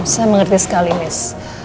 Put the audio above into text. saya mengerti sekali miss